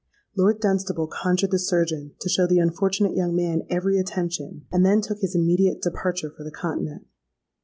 Lord Dunstable conjured the surgeon to show the unfortunate young man every attention, and then took his immediate departure for the continent.